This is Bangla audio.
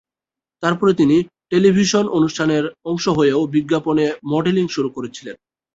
তারপরে তিনি টেলিভিশন অনুষ্ঠানের অংশ হয়েও বিজ্ঞাপনে মডেলিং শুরু করেছিলেন।